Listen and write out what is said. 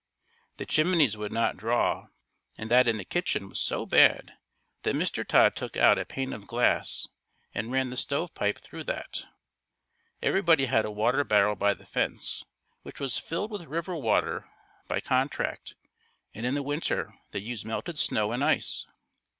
The chimneys would not draw and that in the kitchen was so bad that Mr. Todd took out a pane of glass and ran the stovepipe through that. Everybody had a water barrel by the fence which was filled with river water by contract and in the winter they used melted snow and ice. Mr.